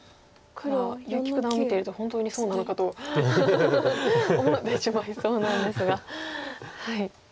ただ結城九段を見ていると本当にそうなのかと思ってしまいそうなんですが。